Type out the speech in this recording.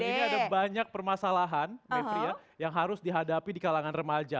dan ini ada banyak permasalahan yang harus dihadapi di kalangan remaja